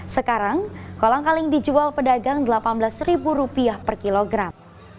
sekarang kolang kaling dijual pedagang rp delapan belas per kilogram